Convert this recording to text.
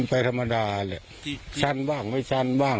ลุงฝนเขาบอกว่าเด็กจะไม่ขึ้นมาเอง